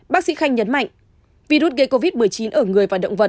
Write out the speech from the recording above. bác sĩ khanh nhấn mạnh virus gây covid một mươi chín ở người và động vật